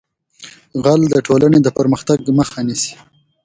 غل د ټولنې د پرمختګ مخه نیسي